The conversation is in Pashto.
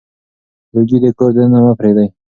لوګي د کور دننه مه پرېږدئ.